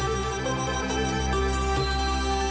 โอ้โหโอ้โหโอ้โหโอ้โห